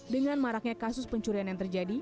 dengan maraknya kasus pencurian yang terjadi